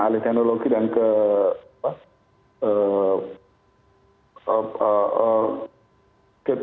alis teknologi dan ke